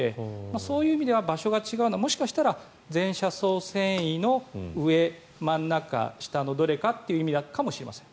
そういう意味では場所が違うのはもしかしたら前斜走線維の上、真ん中、下のどれかという意味かもしれません。